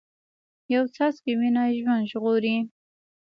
یو څاڅکی وینه ژوند ژغوري